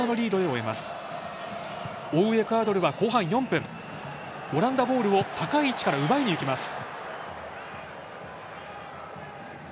追うエクアドルは後半４分オランダボールを高い位置から奪いにいきます。